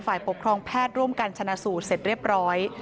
ฝ่ายปกครองแพทย์ร่วมกันชนะสูตรเสร็จเรียบร้อย